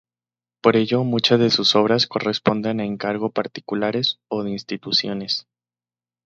Por ello muchas de sus obras corresponden a encargo particulares o de instituciones.